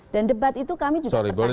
dan debat itu kami juga pertanyaan